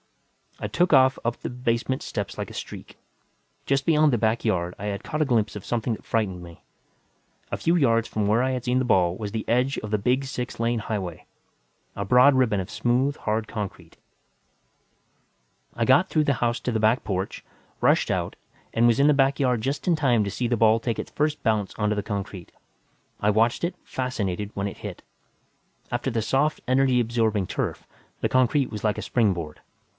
I took off up the basement steps like a streak. Just beyond the back yard, I had caught a glimpse of something that frightened me. A few yards from where I had seen the ball was the edge of the big six lane highway, a broad ribbon of smooth, hard concrete. I got through the house to the back porch, rushed out and was in the back yard just in time to see the ball take its first bounce onto the concrete. I watched it, fascinated, when it hit after the soft, energy absorbing turf, the concrete was like a springboard.